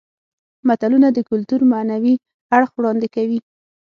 متلونه د کولتور معنوي اړخ وړاندې کوي